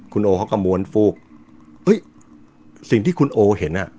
คุณโอเขาก็ม้วนฟูกเอ้ยสิ่งที่คุณโอเห็นอ่ะ